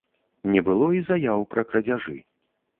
Не было і заяў пра крадзяжы.